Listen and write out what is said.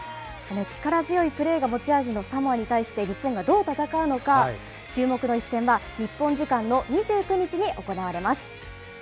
力強いプレーが持ち味のサモアに対して日本がどう戦うのか、注目の一戦は日本時間の２９日に行われます。